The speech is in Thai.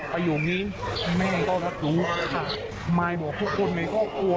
ประโยคนี้แม่ก็รัฐรู้ไม่บอกทุกคนในครอบครัว